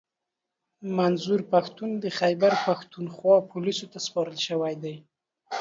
منظور پښتین د خیبرپښتونخوا پوليسو ته سپارل شوی دی